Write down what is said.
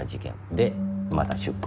でまた出国。